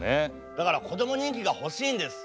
だからこども人気が欲しいんです。